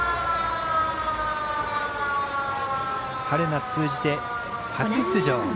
春夏通じて初出場